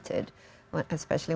bagaimana mereka diperlakukan